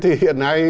thì hiện nay